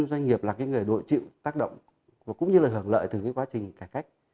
doanh nghiệp là cái người đội chịu tác động và cũng như là hưởng lợi từ cái quá trình cải cách